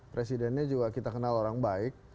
presidennya juga kita kenal orang baik